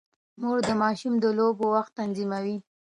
مور د ماشوم د لوبو وخت تنظیموي.